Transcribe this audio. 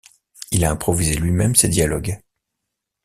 Il a improvisé lui-même ses dialogues.